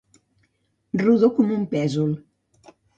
Rodó com un pèsol.